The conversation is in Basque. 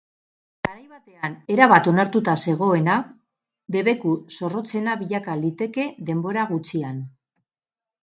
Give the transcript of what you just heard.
Garai batean erabat onartuta zegoena, debeku zorrotzena bilaka liteke denbora gutxian.